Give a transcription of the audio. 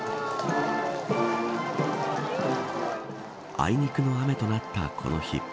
あいにくの雨となったこの日。